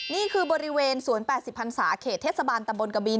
นี่คือบริเวณสวน๘๐พันศาเขตเทศบาลตำบลกบิน